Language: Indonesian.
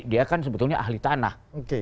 dia kan sebetulnya ahli tanah